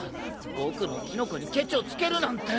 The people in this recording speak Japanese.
僕のキノコにケチをつけるなんて。